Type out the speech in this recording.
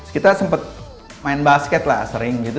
kita sempat main basket lah sering gitu